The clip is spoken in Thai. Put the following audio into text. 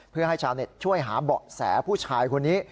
เพื่อให้ชาวเน็ตช่วยหาเบาะแสผู้ชายคนนี้